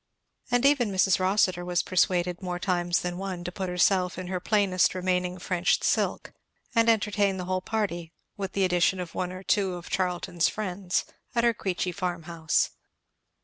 And even Mrs. Rossitur was persuaded, more times than one, to put herself in her plainest remaining French silk and entertain the whole party, with the addition of one or two of Charlton's friends, at her Queechy farm house.